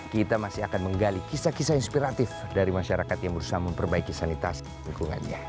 kita masih akan menggali kisah kisah inspiratif dari masyarakat yang berusaha memperbaiki sanitasi lingkungannya